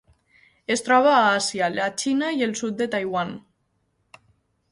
Es troba a Àsia: la Xina i el sud de Taiwan.